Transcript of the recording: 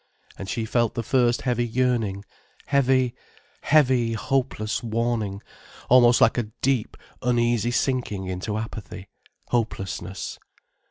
And she felt the first heavy yearning, heavy, heavy hopeless warning, almost like a deep, uneasy sinking into apathy, hopelessness.